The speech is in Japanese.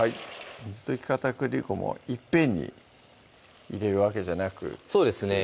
水溶き片栗粉もいっぺんに入れるわけじゃなくそうですね